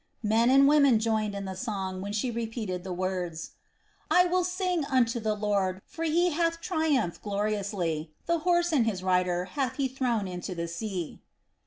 Men and women joined in the song, when she repeated the words: "I will sing unto the Lord, for he hath triumphed gloriously: the horse and his rider hath he thrown into the sea."